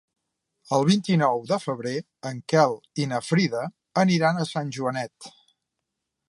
El vint-i-nou de febrer en Quel i na Frida aniran a Sant Joanet.